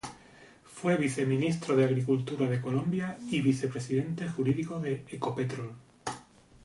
Fue viceministro de Agricultura de Colombia y vicepresidente jurídico de Ecopetrol.